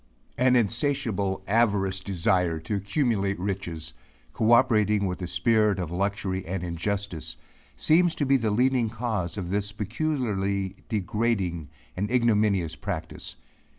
An insatiable, avaricious desire to accumulate riches, cooperating with a spirit of luxury and injustice, seems to be the leading cause of this peculiarly degrading and ignominious practice.